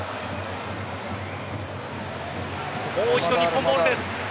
もう一度日本ボールです。